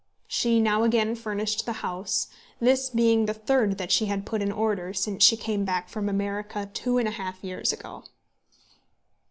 She now again furnished the house, this being the third that she had put in order since she came back from America two years and a half ago.